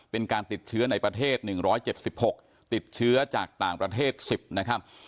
เป็นการติดเชื้อในประเทศ๑๗๖ติดเชื้อจากต่างประเทศ๑๐นะครับ